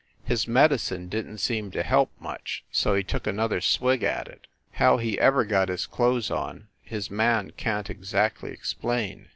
His medicine didn t seem to help, much, so he took another swig at it. How he ever got his clothes on, his man can t exactly explain.